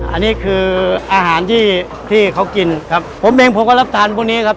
อันนี้คืออาหารที่ที่เขากินครับผมเองผมก็รับทานพวกนี้ครับ